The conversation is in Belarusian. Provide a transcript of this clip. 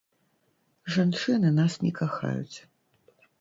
Жанчыны нас не кахаюць.